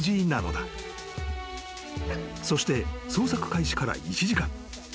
［そして捜索開始から１時間］